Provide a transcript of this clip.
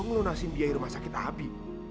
kenapa kamu kasih biaya rumah sakit abi